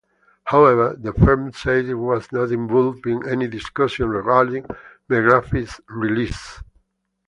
However, the firm said it was not involved in any discussions regarding Megrahi's release.